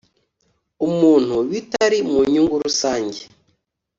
umuntu bitari mu nyungu rusange